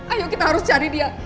ayo kita harus cari dia